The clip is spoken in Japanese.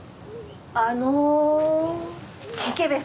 ・あのう。池部さん。